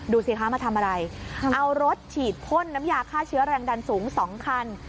ดูสิคะมาทำอะไรเอารถฉีดพ่นน้ำยาฆ่าเชื้อแรงดันสูง๒คัน